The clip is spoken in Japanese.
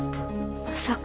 まさか。